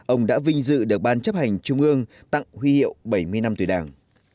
ông đã vinh dự được ban chấp hành trung ương tặng huy hiệu bảy mươi năm tuổi đảng